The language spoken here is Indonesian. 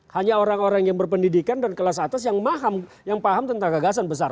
hanya orang orang yang berpendidikan dan kelas atas yang paham tentang gagasan besar